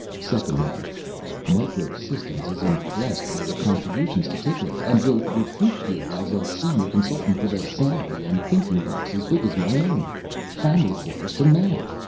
Second matter: Micro Systems is impressed by your contributions to Tickler and will recruit you as a senior consultant with a salary and thinking box as big as my own, family quarters to match.